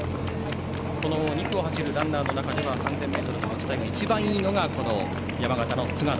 ２区を走るランナーの中で３０００ｍのタイムが一番いいのが山形の菅野。